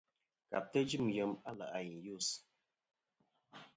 Kabtɨ jɨm yem a lè' a i yus.